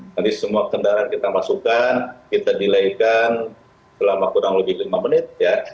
nanti semua kendaraan kita masukkan kita delaying selama kurang lebih lima menit